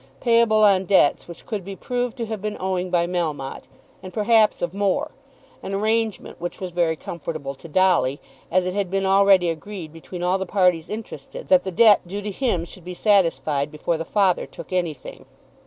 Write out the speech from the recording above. payable on debts which could be proved to have been owing by Melmotte, and perhaps of more; an arrangement which was very comfortable to Dolly, as it had been already agreed between all the parties interested that the debt due to him should be satisfied before the father took anything.